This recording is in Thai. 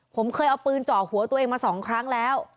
ผมเคยเอาปืนเจาะหัวตัวเองมา๒ครั้งแล้ว